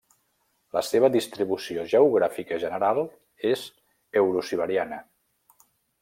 La seva distribució geogràfica general és eurosiberiana.